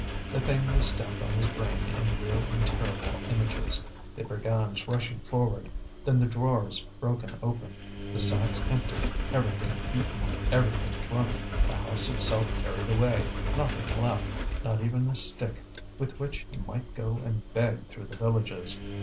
The thing was stamped on his brain in real and terrible images the brigands rushing forward, then the drawers broken open, the sacks emptied, everything eaten, everything drunk, the house itself carried away, nothing left, not even a stick with which he might go and beg through the villages.